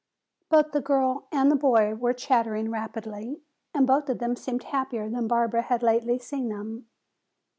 Both the girl and boy were chattering rapidly, and both of them seemed happier than Barbara had lately seen them.